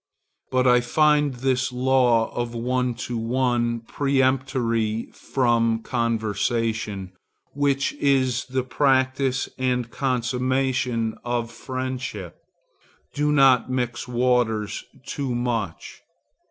But I find this law of one to one peremptory for conversation, which is the practice and consummation of friendship. Do not mix waters too much.